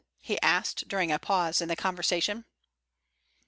he asked during a pause in the conversation.